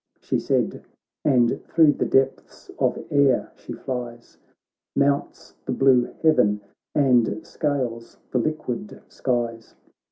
She said, and thro' the depths of air she flies, Mounts the blue heaven, and scales the liquid skies.